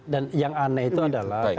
dan yang aneh itu adalah